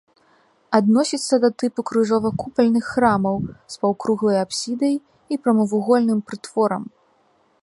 Адносіцца да тыпу крыжова-купальных храмаў з паўкруглай апсідай і прамавугольным прытворам.